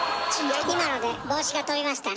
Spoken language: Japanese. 今ので帽子が飛びましたね。